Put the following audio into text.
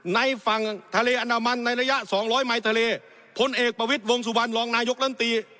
ในฝั่งทะเลอันดามันในระยะสองร้อยไมค์ทะเลพลเอกประวิทย์วงสุวรรณรองนายกลำตี